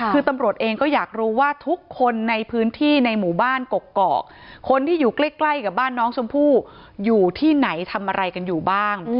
คือตำรวจเองก็อยากรู้ว่าทุกคนในพื้นที่ในหมู่บ้านกกอกคนที่อยู่ใกล้ใกล้กับบ้านน้องชมพู่อยู่ที่ไหนทำอะไรกันอยู่บ้าง